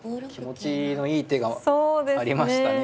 気持ちのいい手がありましたね。